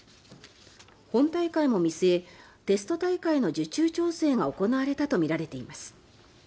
本大会も見据えテスト大会の受注調整が行われたとみられています。